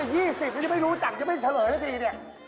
นี่แต่๒๐ยังไม่รู้จักยังไม่เฉลยหน่ะทีเนี่ย